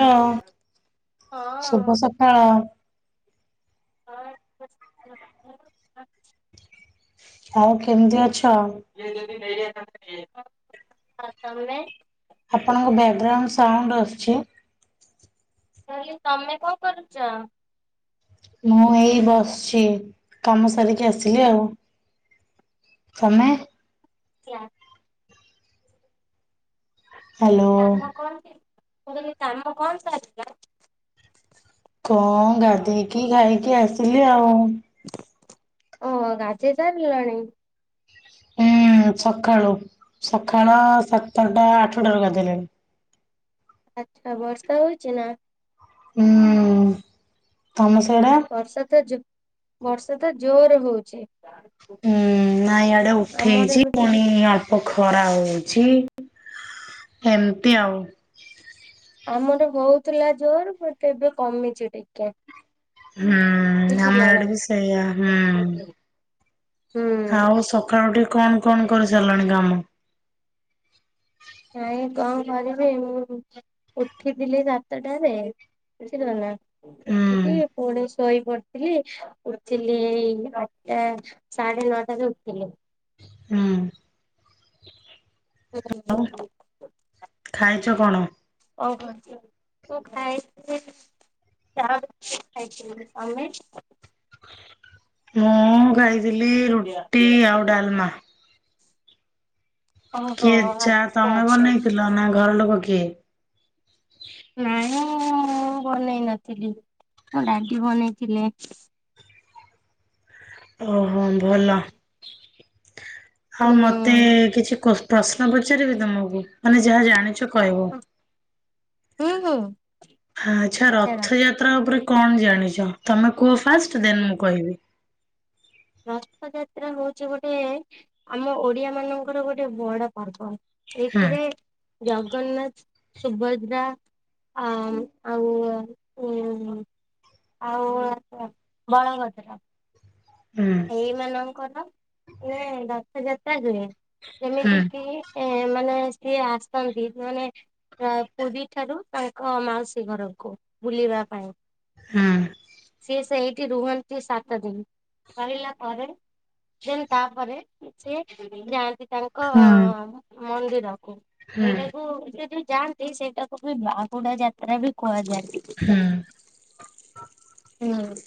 ହଁ ତମେ ଶୁଭ ସକାଳ। ହଁ [inaudible] ଆଉ କେମିତି ଅଛ? [unintelligible] ତମେ ଆପଣଙ୍କ ବ୍ୟାଗରାଉଣ୍ଡ ସାଉଣ୍ଡ ଆସୁଛି। କହିଲି ତମେ କଣ କରୁଛ? ମୁଁ ଏଇ ବସିଛି କାମ ସାରିକି ଆସିଲି ଆଉ। ତମେ? [unintelligible] ହ୍ୟାଲୋ କାମ କଣ କାମ କଣ ଚାଲିଥିଲା? କଣ ଗାଧେଇକି ଖାଇକି ଆସିଲି ଆଉ। ଓ ଗାଧେଇ ସାରିଲଣି? ହୁଁ ସକାଳୁ ସକାଳ ସାତଟା ଆଠଟା ରୁ ଗାଧେଇଲିଣି। ଆଚ୍ଛା ବର୍ଷା ହଉଛି ନା? ହୁଁ ତମ ସିଆଡେ? ବର୍ଷା ତ ଜୋ ବର୍ଷା ତ ଜୋର ହଉଛି। ହୁଁ ନାଇଁ ଇଆଡେ ଆମର ଉଠେଇଛି ଏବେ ପୁଣି ଖରା ହଉଛି ଏମିତି ଆଉ। ଆମର ହଉଥିଲା ଜୋର ପୁଣିତ ଏବେ କମିଛି ଟିକେ। ହୁଁ ଆମ ବୁଝିଲ ନା? ଆଡେ ବି ସେୟା ହୁଁ। ହୁଁ। ଆଉ ସକାଳୁ ଟିକେ କଣ କଣ କରି ସାରିଲାଣି କାମ? ନାଇଁ କଣ କରିବି ମୁଁ ଉଠିଥିଲି ସାତଟାରେ। ବୁଝିଲ ନା ଉଠିକି ହୁଁ ପୁଣି ଶୋଇ ପଡିଥିଲି ଉଠିଲି ଏଇ ଆଠଟା ସାଢେ ନଅଟାରେ ଉଠିଲି। ହୁଁ। ହ ଖାଇଛ କଣ? ଓହୋ [inaudible] ତୁ ଖାଇଛ [unintelligible] ମୁଁ ଖାଇଥିଲି ରୁଟି ଆଉ ଡାଲମା। ଓହୋ କିଏ ଚା ଆଚ୍ଛା ତମେ ବନେଇଥିଲ ନା ଘର ଲୋକ କିଏ? ହଁ ମୁଁ ବନେଇ ନଥିଲି ମୋ ଡାଡି ବନେଇଥିଲେ। ଓହୋ ଭଲ ଆଉ ହୁଁ ମତେ କିଛି ପ୍ରଶ୍ନ ପଚାରିବି ତମକୁ ମାନେ ଯାହା ଜାଣିଛ କହିବ ହୁଁ ହୁଁ ଆଚ୍ଛା ପଚାର। ରଥଯାତ୍ରା ଉପରେ କଣ ଜାଣିଛ ତମେ କୁହ ଫାଷ୍ଟ ଦେନ ମୁଁ କହିବି। ରଥଯାତ୍ରା ହଉଛି ଗୋଟେ ଆମ ଓଡିଆ ମାନଙ୍କର ଗୋଟେ ବଡ ପର୍ବ। ହୁଁ ଏଥିରେ ଜଗନ୍ନାଥ, ସୁଭଦ୍ରା ଆ ଆଉ ଆଉ ବଳଭଦ୍ର। ହୁଁ ଏଇ ମାନଙ୍କର ମାନେ ରଥଯାତ୍ରା ହୁଏ। ହୁଁ ଯେମିତି କିି ଏ ମାନେ ସିଏ ଆସନ୍ତି ମାନେ ପୁରୀ ଠାରୁ ତାଙ୍କ ମାଉସୀ ଘରକୁ ବୁଲିବା ପାଇଁ। ହୁଁ। ସିଏ ସେଇଠି ରୁହନ୍ତି ସାତ ଦିନ। ସରିଲା ପରେ ଦେନ୍ ତାପରେ ସିଏ ଯାଆନ୍ତି ତାଙ୍କ ହୁଁ। ମନ୍ଦିରକୁ ହୁଁ ଏଇଟାକୁ ଯି ଯାଆନ୍ତି ସେଇଟାକୁ ବି ବାହୁଡ଼ା ଯାତ୍ରା ବି କୁହାଯାଏ। ହୁଁ।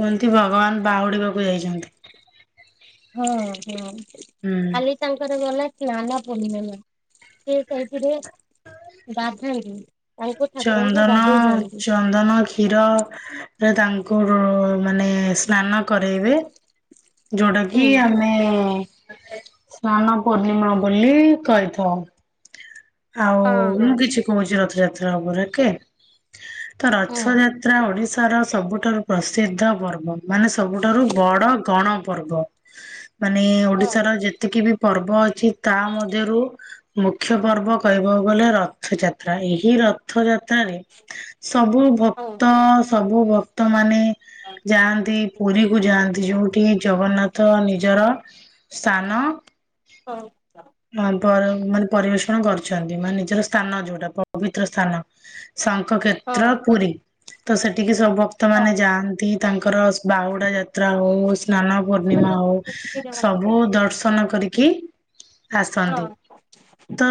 କୁହନ୍ତି ଭଗବାନ୍ ବାହୁଡିବାକୁ ଯାଇଛନ୍ତି। ହଁ ହଁ ହୁଁ। କାଲି ତାଙ୍କର ଗଲା ନାନା ପୁର୍ଣୀମା ସିଏ ସେଇଥିରେ ଗାଧାନ୍ତି। ତାଙ୍କୁ ଠାକୁରଙ୍କୁ ଚନ୍ଦନ ଗାଧେଇ ଦିଅନ୍ତି। ଚନ୍ଦନ କ୍ଷୀର ରେ ଦାନ୍ କଣ ମାନେ ସ୍ନାନ କରେଇବେ ଯୋଉଟା ହୁଁ କି ଆମେ ସ୍ନାନ ପୂର୍ଣ୍ଣିମା ବୋଲି କହିଥାଉ। ଆଉ ହଁ ହଁ। ମୁଁ କିଛି କୋହୁଛି ରଥଯାତ୍ରା ଉପ ଓକେ। ତ ହଁ ରଥଯାତ୍ରା ଓଡି ତାର ସବୁଠାରୁ ପ୍ରସିଦ୍ଧ ପର୍ବ ମାନେ ସବୁଠାରୁ ବଡ ଗଣ ପର୍ବ। ମାନେ ହଁ। ଓଡିଶାର ଯେତିକି ବି ପର୍ବ ଅଛି ତା ମଧ୍ୟରୁ ମୁଖ୍ୟ ପର୍ବ କହିବାକୁ ବୋଲେ ରଥଯାତ୍ରା ଏହି ରଥଯାତ୍ରାରେ ସବୁ ଭକ୍ତ ସବୁ ଭକ୍ତ ମାନେ ହଁ ଯାଆନ୍ତି ପୁରୀ କୁ ଯାଆନ୍ତି ଯୋଉଠି ଜଗନ୍ନା ଥ ନିଜର ସାନ ହୋଉ। ପର ମାନେ ପରିବେଷଣ କରୁଛନ୍ତି ମାନେ ନିଜର ସ୍ଥାନ ଯୋଉଟା ପବିତ୍ର ସ୍ଥାନ। ଶଙ୍କ ହଁ। କ୍ଷେତ୍ର ହଁ ପୁରୀ ତ ସେଠିକି ସବୁ ଭକ୍ତ ମାନେ ଯାଆନ୍ତି ତାଙ୍କର ବାହୁଡା ଯା ତ୍ରା ହୋଉ ସ୍ନାନ ପୂର୍ଣ୍ଣିମା ହୋଉ ସବୁ ଦର୍ଶନ କରିକି ଆସନ୍ତି ତ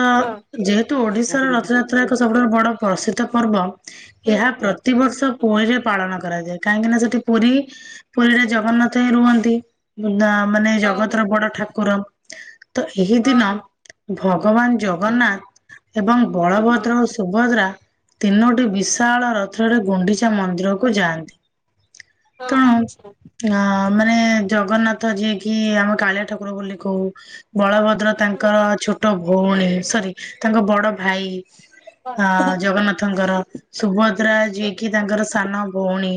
ଯେହେତୁ ଓଡିଶାର ରଥଯାତ୍ରା ଏକ ସବୁଠାରୁ ବଡ ପ୍ରସିଦ୍ଧ ପର୍ବ ଏହା ହଁ। ପ୍ରତିବର୍ଷ ପୋଇରେ ପାଳନ କରାଯାଏ କାହିଁକିନା ସେଠି ପୁରୀ ପୁରୀରେ ଜଗନ୍ନାଥ ହିଁ ରୁହନ୍ତି ମାନେ ଜଗତର ବଡ ଠାକୁର। ତ ଏହି ଦିନ ଭଗବାନ ଜଗନ୍ନା ଏବଂ ବଳଭଦ୍ରଓ ସୁଭଦ୍ରା ତିନୋଟି ବିଶାଳ ରଥରେ ଗୁଣ୍ଡିଚା ମନ୍ଦିରକୁ ଯାଆନ୍ତି। ହଁ ତେଣୁ ଆଚ୍ଛା। ଅ ମାନେ ଜଗନ୍ନାଥ ଯିଏ କିି ଆମେ କାଳିଆ ଠାକୁର ବୋଲି କହୁ ବଳଭ ଦ୍ର ତାଙ୍କର ଛୋଟ ଭୋଉଣୀ ସରି ତାଙ୍କ ବଡ ଭାଇ। ଆ ଜଗନ୍ନାଥଙ୍କର ସୁଭଦ୍ରା ଯିଏକି ତାଙ୍କର ସାନ ଭୋଉଣୀ।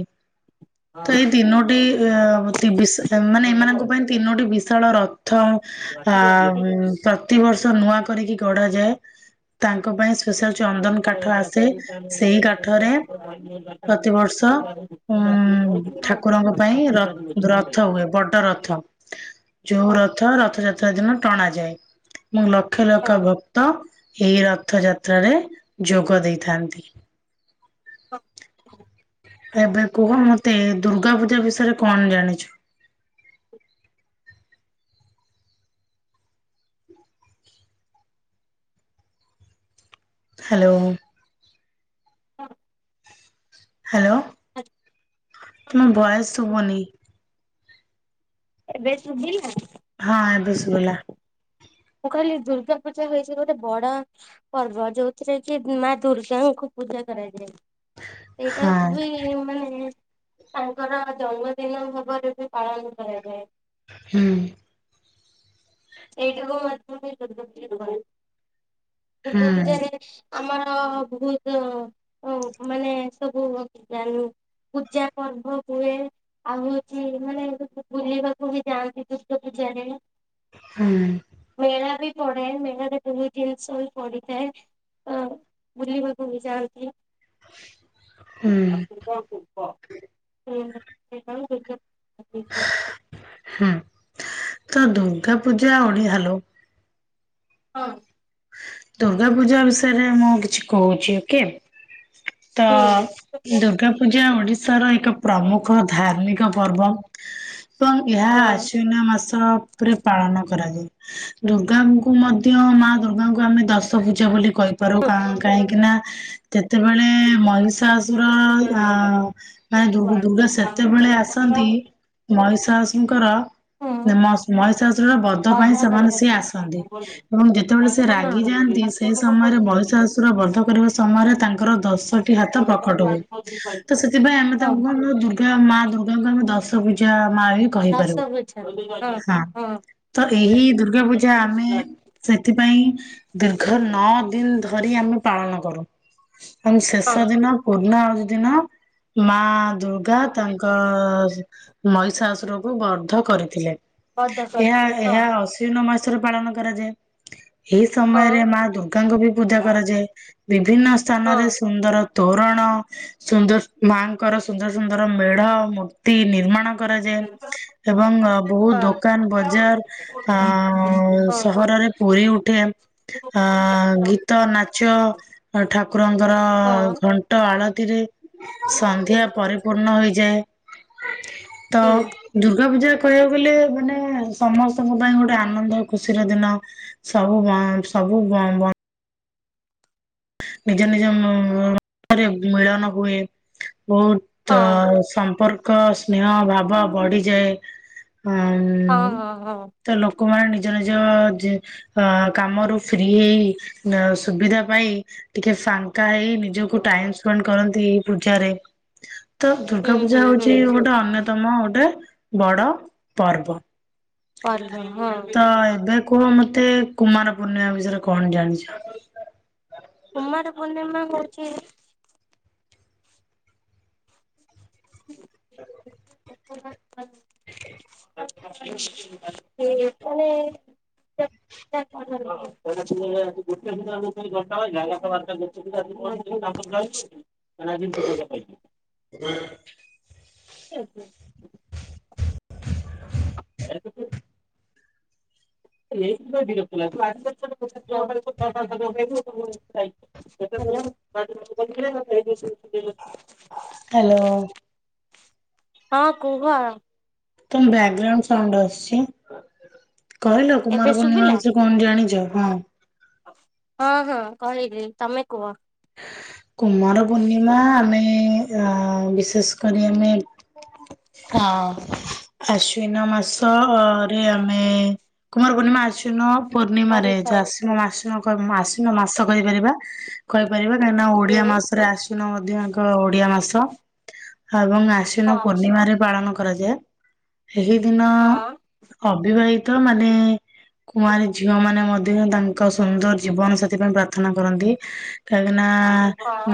ତ ଏଇ ଦିନୋଟି ମାନେ ଏମାନଙ୍କ ପାଇଁ ତିନୋଟି ବିଶାଳ ର ପ୍ଥ ଆ ପ୍ରତିିବର୍ଷ ନୂଆ କରିକି ଗଢା ଯାଏ। ତାଙ୍କ ପାଇଁ ଚନ୍ଦନ୍ କାଠ ଆସେ ସେ କାଠରେ ପ୍ରତିବର୍ଷ ଉଁ ହୁଁ ଠାକୁରଙ୍କ ପାଇଁ ରଥ ହୁଏ ବଡ ରଥ। ଯୋଉ ରଥ ରଥଯାତ୍ରା ଦିନ ଟଣାାଯାଏ ମୁଁ ଲକ୍ଷେ ଲକ୍ଷ ଭ ଅ ଏଇ ରଥଯାତ୍ରାରେ ଯୋଗ ଦେଇଥାନ୍ତି। ଅ। ଏବେ କୁହ ମତେ ଦୁର୍ଗା ପୂଜା ବିଷୟରେ କଣ ଜାଣିଛୁ? [inaudible] ହାଲୋ। ହଁ। ହାଲୋ। ଆ। ମ ଭଏସ୍ ଶୁବୁନି। ଏବେ ଶୁଭିଲା? ହଁ ଏବେ ସୁଭିଲା। ମୁଁ କହିଲି ଦୁର୍ଗା ପୂଜା ହେଇଛି ଗୋଟେ ବଡ ପର୍ବ ଯୋଉଥିରେ କି ମା ଦୁର୍ଗାଙ୍କୁ ପୂଜା କରାାଯାଏ ହଁ ସେଇଟା ବି ମାନେ ତାଙ୍କର ଜନ୍ମଦିନ ଭାବରେ ବି ପାଳନ କରାଯାଏ। ହୁଁ। ସେଇଟାକୁ [inaudible] ଦୁର୍ଗା ହୁଁ ପୂଜାରେ। ଆମର ବହୁତ ମାନେ ସବୁ ଜାନୁ ପୂଜା ପର୍ବ ହୁଏ ଆଉ ହଉଛି ମାନେ ବୁଲିବାକୁ ବି ଯାଆନ୍ତି ଦୁର୍ଗା ପୂଜା। [inaudible] ହୁଁ ମେଳା ବି। ପଡାଏ ମେଳାରେ ଜିନସ ପଡିଥାଏ ଅ ବୁଲିବାକୁ ବି ଯାଆନ୍ତି। ହୁଁ [inaudible] ଆ ହୁଁ ତ ଦୁର୍ଗା ପୂଜା ଓଣି ହାଲୋ। ହଁ। ଦୁର୍ଗା ପୂଜା ବିଷୟରେ ମୁଁ କିଛି କହୁଛି ଓକେ। ତ ହୁଁ। ଦୁର୍ଗା ହଁ। ପୂଜା ଓଡିଶାର ଏକ ପ୍ରମୁଖ ଧାର୍ମିକ ପର୍ବ। ଏବଂ ଏହା ଆସୁ ନା ମସ। ରେ ପାଳନ କରାଯାଏ ଦୁର୍ଗାଙ୍କୁ ମଧ୍ୟ ମା ଦୁର୍ଗ। ତାଙ୍କୁ ଆମେ ଦଶ ପୂଜା ବୋଲି କହିପାରୁ କାହିଁକି ନା ଯେତେବେଳେ ମଇଷ। ମହିଁସାଶୁର ମାନେ ଦୁ ଦୁର୍ଗା ସେତେବେଳେ ଆସନ୍ତି। ମହିଷସଙ୍କର ହଁ। ମହିସାର ବଧ ପାଇଁ ବନ୍ଧ ସେମାନେ ସିଏ ଆସନ୍ତି କରିବାପାଇଁ। ଏବଂ ଯେତେବେଳେ। ରାଗିଯାଆନ୍ତି ସେହି ସମୟରେ ବୟଶାସୁର ବର୍ଦ୍ଧ କରିବା ସମୟରେ ତାଙ୍କର ଦଶଟି ହାତ ପ୍ରକଟ। ତ ସେଥିପାଇଁ ଆମେ ହଁ ତାଙ୍କୁ କଣ ଦୁର୍ଗା ମା ଦୁର୍ଗାଙ୍କୁ ଆମେ ଦଶ ପୂଜା। ମା ହିଁ କହିପାରୁିବ ଦଶଗୁଚ୍ଛ ହଁ ହଁ ତ ଏହି ଦୁର୍ଗା ପୂଜା ଆମେ। ସେଥିପାଇଁ ଦୀର୍ଘ ନଅ ଦିନ ଧରି ଆମେ ପାଳନ କରୁ। ଆମ ଶେଷ ଦିନ ପୂର୍ଣା ଆହୁତି ଦିନ ମା। ଦୁର୍ଗା ତାଙ୍କ ମହିଷାଶୁରକୁ ବର୍ଦ୍ଧ କରିଥିଲେ। ବନ୍ଧ ଏହା କରିଚି ହଁ ହଁ ହଁ। ଏହା ଅଶ୍ୱନ ମାସରେ ପାଳନ କରାଯାଏ। ଏହି ସମୟରେ ମା ଦୁର୍ଗାଙ୍କୁ ବି ପୂଜା କରାଯାଏ ବିଭିନ୍ନ ସ୍ଥାନରେ ହଁ। ହଁ। ସୁନ୍ଦର। ତୋରଣ ସୁନ୍ଦର ମାଙ୍କର ସୁନ୍ଦର ସୁନ୍ଦର ମେଢ ମୂର୍ତ୍ତି ନିର୍ମାଣ। କରାଯାଏ ହୁଁ ହଁ ହଁ ଏବଂ ବହୁତ ଦୋକାନ ବଜାର ଅ ସହର। ପୁରୀ ଉ। ହଁ ଗୀତ ନାଚ ଠାକୁରଙ୍କର ଘଣ୍ଟ। ଆଳତିରେ। ସନ୍ଧ୍ୟା ପରିପୂର୍ଣ ହେଇଯାଏ ତ ଦୁର୍ଗା ପୂଜା। କହିବାକୁ ଗଲେ ମାନେ ସମସ୍ତଙ୍କ ପାଇଁ ଗୋଟେ ଆନନ୍ଦ ଖୁସିର ଦିନ। ସବୁ ଗାଁ ସବୁ ଗାଁ। ନିଜ ନିଜରେ ମିଳନ ହୁଏ। ବହୁତ ସମ୍ପର୍କ ସ୍ନେହ ଭାବ ବଢିଯାଏ। ହଁ ହୋ ହୋ। ଲୋକ ମାନ ନିଜ ନିଜ ଅ କାମରୁ ଫ୍ରିହେଇ ସୁବିଧା ପାଇ। ଟିକେ ଫାଙ୍କା ହେଇ ନିଜକୁ ଟାଇମ ସ୍ପେଣ୍ଡ କରନ୍ତି ଏଇ ପୂଜାରେ। ତ ହୁଁ ଦୁର୍ଗା ପୂଜା ହୁଁ ହୁଁ। ହଉଛି ଗୋଟେ ଅନ୍ୟତମ ଗୋଟେ ବଡ ପର୍ବ। ଭଲ ହଁ ତ ଏବେ କୁହ ମୋତେ। ଏତେ କୁମାର ପୂର୍ଣ୍ଣିମା ବିଷୟରେ କଣ ଜାଣିଛ। କୁମାର ପୂର୍ଣ୍ଣିମା ହଉଛି। [inaudible] [inaudible] [unintelligible] [inaudible] ଗୋଟେ ଦିଟା ଘଣ୍ଟା ବାଜିଲା ଏଗାର ତା ବାରଟା [inaudible] [unintelligible] [unintelligible] ଏବେବି। ଏଇଥିପାଇଁ ବିରକ୍ତ ଲାଗେ ତୁ। [unintelligible] [unintelligible] ହାଲୋ। ହଁ କୁହ। ତମ ବ୍ୟାଗଗ୍ରାଉଣ୍ଡ ସାଉଣ୍ଡ ଆସୁଛି। କହିଲ ଏବେ କୁମାର ପୂର୍ଣ୍ଣିମା ଶୁଭିଲା ବିଷୟରେ କଣ ଜାଣିଛ ହଁ? ହଁ ହଁ କହିଲି ତମେ କୁହ। କୁମାର ପୂର୍ଣ୍ଣିମା ଆମେ ଅ ବିଶେଷ କରି ଆମେ। ହଁ। ଆଶ୍ୱିନ ମାସ ଅ ରେ ଆମେ କୁମାର ପୂର୍ଣ୍ଣିମା ଆଶ୍ୱିନ। ପୂର୍ଣ୍ଣିମାରେ କରିଥାଅ ଯୋଉ ଆଶ୍ୱିନମାସ କହି ଉଁ ଆଶ୍ୱିନ ମାସ କହିପାରିବା କହିପାରିବା କାହିଁ ନା ହୁଁ ଓଡିଆ ମାସରେ ଆଶ୍ୱିନ ମଧ୍ୟ ଏକ ଓଡିଆ ମାସ। ଏବଂ ଆଶ୍ୱିନ ହଁ ପୂର୍ଣ୍ଣିମାରେ ପାଳନ କରାଯାଏ। ଏହି ଦିନ ହଁ। ଅବିବାହିତ ମାନେ କୁଆଁରି ଝିଅ ମାନେ ମ ସେ ଦିନ ତାଙ୍କ ସୁନ୍ଦର ଜୀବନ ସାଥି ପାଇଁ ପ୍ରାର୍ଥନା କରନ୍ତି। କାହିଁକି ନା ହଁ।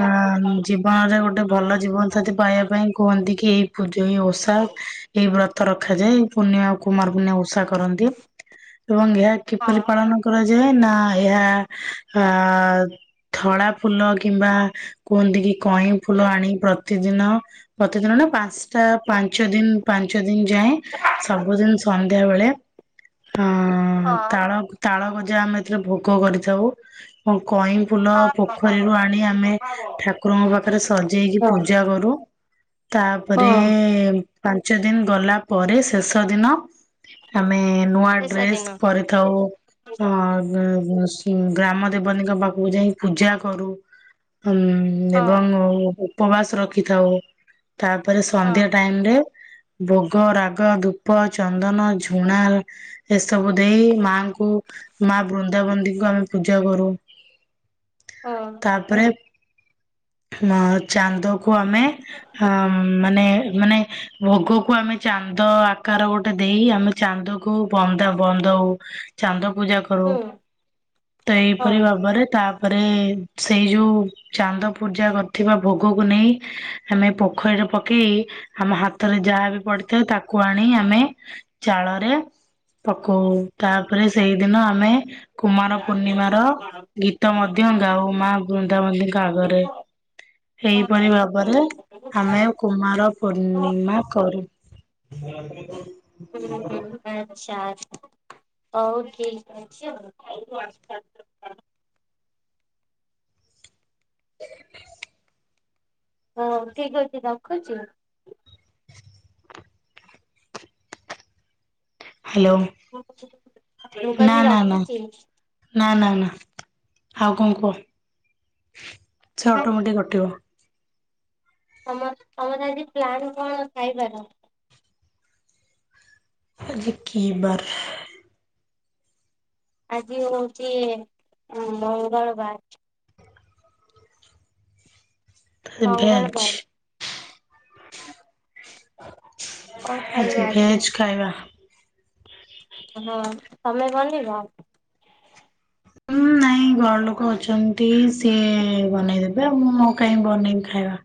ଅଁ ଜୀବନରେ ଗୋଟେ ଭଲ ଜୀବନ ସାଥୀ ପାଇବା ପାଇଁ କୁହନ୍ତି କି। ପୂଜ ଏଇଁ ଓଷା ଏଇ ବ୍ର ରଖାଯାଏ ପୂର୍ଣ୍ଣିମା କୁମାର ପୂର୍ଣ୍ଣିମା ଓଷା କରନ୍ତି ଏବଂ ଏହା କିପରି ପାଳନ କରା ଯେ ନା ଏହା ଆ। ଧଳା ଫୁଲ କିମ୍ବା କୁହନ୍ତି କି କଇଁ ଫୁଲ ଆଣି ପ୍ର ପ୍ରତିଦିନ ପ୍ରତିଦିନ ନା ପାଞ୍ଚଟା ପାଞ୍ଚ ଦିନ ପାଞ୍ଚ ଦି ଦିନ ଯାଏଁ ସବୁଦିନ ସନ୍ଧ୍ୟା ବେଳେ। ହଁ ତାଳ ତାଳ ଗଜା ଆମେ ଏଥିରେ ଭୋଗ କରିଥାଉ ଏବଂ କଇଁ ଫୁଲ ପୋଖରୀରୁ ଆଣି ଆମେ ଠାକୁରଙ୍କ ପାଖରେ ସଜେଇକି ପୂଜା କରୁ। ତାପରେ ପାଞ୍ଚ ଦିନ ଗଲା ପରେ ଶେଷ ଦିନ ଆମ ଆମେ ନୂଆ ଶେଷ ଡ୍ରେସ୍ ଦିନ। କରିଥାଉ ଅ ଅ ଶିମ ଗ୍ରାମ ଦେବତିଙ୍କ ପାଖକୁ ଯାଇଁ ପୂଜା କରୁ। ଉଁ ହଁ ଏବଂ ଉ-ଉ-ଉପବାସ ରଖିଥାଉ। ତାପରେ ସନ୍ଧ୍ୟା ହଁ ଟାଇମ ରେ। ଭୋଗ ରାଗ ଧୂପ ଚନ୍ଦନ ଝୁଣା ଏସବୁ ଦେଇ ମାଙ୍କୁ ମା ବୃନ୍ଦାବତିଙ୍କୁ ଆମେ ପୂଜା କରୁ। ହଁ ତାପରେ। ଅ ଚାନ୍ଦକୁ ଆମେ ଅମ ମାନେ ମାନେ ଭୋଗକୁ ଆମେ ଚାନ୍ଦ ଆକାର ଗୋଟେ ଦେଇ ଆମେ ଚାନ୍ଦକୁ ବନ୍ଦା ବନ୍ଦଉ ଚାନ୍ଦ ପୂଜା କରୁ ହୁଁ ତ ହଁ ଏଇପରି ଭାବରେ ତା ପରେ ସେଇ ଯୋଉ ଚାନ୍ଦ ପୂଜା କରିଥିବା ଭୋଗକୁ ନେଇ ଆମେ ପୋଖରୀରେ ପକେଇ ଆମ ହା ତ ରେ ଯାହା ବି ପଡିଥାଏ ତାକୁ ଆଣି ଆମେ ଚାଳରେ। ପକଉ ହଁ। ତାପରେ ସେଇଦିନ ଆମେ କୁମାର ପୂର୍ଣ୍ଣିମା ର ଆଚ୍ଛା ଗୀତ ମଧ୍ୟ ଗାଉ ମା ବୃନ୍ଦାବତୀଙ୍କ ଆଗରେ। ଏହିପରି ଭାବରେ ଆମେ କୁମାର ପୂର୍ଣ୍ଣିମା କରୁ। [inaudible] ହୁଁ ହୁଁ ଆଚ୍ଛା ଆ ହଉ ଠିକ୍ ଅଛି ଆଉ। ହଉ ଠିକ ଅଛି ରଖୁଛି। ହାଲୋ ମୁଁ ନା କହିଲି ନା ନା ରଖୁଛି। ନା ନା ନା। ଆଉ କଣ କୁହ? ସେ ଅଟୋମେଟିକ୍ କଟିବ। ତମର ତମର ଆଜି ପ୍ଲାନ୍ କଣ ଖାଇବାର? ଆଜି କି ବାରେ? ଆଜି ହଉଛି ମଙ୍ଗଳବାର। ଭେଜ ମଙ୍ଗଳବାର। କଣ ଖାଇବ ଆଜି ଭେଜ ଖାଇବା। ହଁ ତମେ ବନ୍ଦିବ। ହୁଁ ନାଇଁ ଘର ଲୋକ ଅଛନ୍ତି ସେ ବନେଇଦବେ ଆଉ ମୁଁ କାହିଁ ବନେଇବି ଖାଇବା।